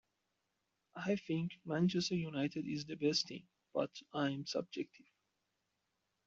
I think Manchester United is the best team, but I'm subjective.